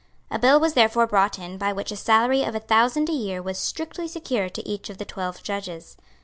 A bill was therefore brought in by which a salary of a thousand a year was strictly secured to each of the twelve judges.